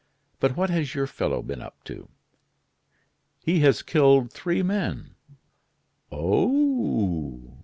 But what has your fellow been up to?" "He has killed three men." "Oh!